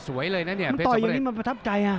สวยเลยนะเนี้ยเพชรสำเร็จมันต่อยอย่างนี้มันประทับใจอ่ะ